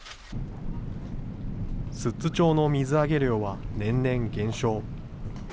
寿都町の水揚げ量は年々減少。